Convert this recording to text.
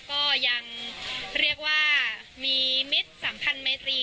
ก็ยังมีเม็ดสัมพันธ์ไม้ตรี